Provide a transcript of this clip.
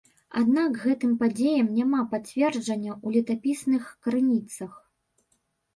Аднак гэтым падзеям няма падцверджання ў летапісных крыніцах.